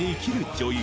女優